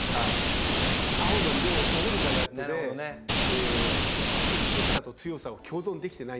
青の色を追うのがやっとで美しさと強さを共存できてないんですけど。